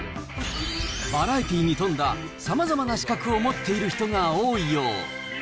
バラエティに富んださまざまな資格を持っている人が多いよう。